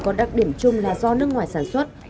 có đặc điểm chung là do nước ngoài sản xuất